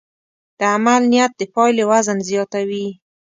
د عمل نیت د پایلې وزن زیاتوي.